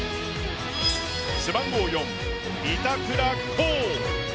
背番号４、板倉滉。